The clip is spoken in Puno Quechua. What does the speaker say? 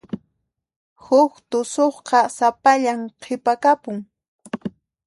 Huk tusuqqa sapallan qhipakapun.